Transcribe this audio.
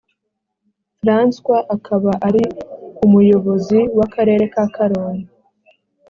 francois akaba ari umuyobozi w akarere ka karongi